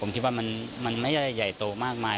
ผมคิดว่ามันไม่ได้ใหญ่โตมากมาย